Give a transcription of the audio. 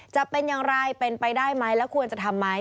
จะเป็นอย่างไรเป็นไปได้ไหมแล้วควรจะทำไหม